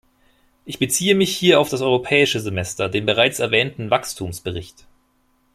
Ich beziehe mich hier auf das Europäische Semester, den bereits erwähnten Wachstumsbericht.